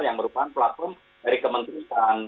yang merupakan platform dari kementerian